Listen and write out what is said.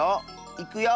いくよ。